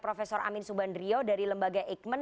prof amin subandrio dari lembaga eijkman